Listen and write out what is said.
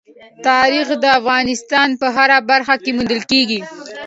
تاریخ د افغانستان په هره برخه کې موندل کېږي.